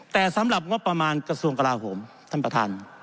แต่สำหรับงบประมาณกระทรวงกลาโหมท่านประธาน